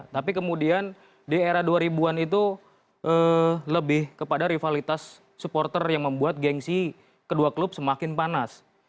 tapi kemudian di era dua ribu an itu lebih kepada rivalitas supporter yang membuat gengsi kedua klub semakin panas